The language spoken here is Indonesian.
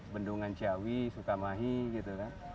bendungan ciawi sukamahi gitu kan